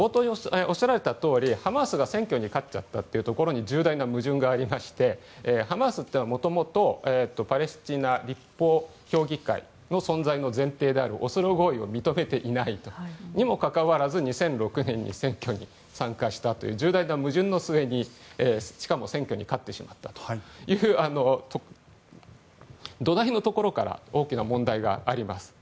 まず、ハマスが選挙に勝っちゃったということに重大な矛盾がありましてハマスってのはもともとパレスチナ立法評議会の存在の前提であるオスロ合意を認めていないと。にもかかわらず、２００６年に選挙に参加したという重大な矛盾の末に、しかも選挙に勝ってしまったという土台のところから大きな問題があります。